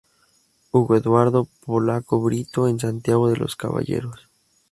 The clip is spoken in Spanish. Hugo Eduardo Polaco Brito, en Santiago de los Caballeros.